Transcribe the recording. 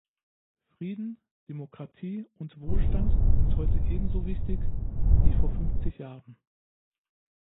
Frieden, Demokratie und Wohlstand sind heute ebenso wichtig wie vor fünfzig Jahren.